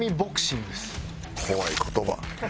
怖い言葉。